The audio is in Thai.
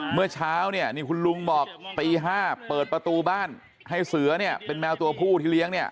เมื่อเช้าเนี่ยนี่คุณลุงบอกตี๕เปิดประตูบ้านให้เสือเนี่ยเป็นแมวตัวผู้ที่เลี้ยงเนี่ย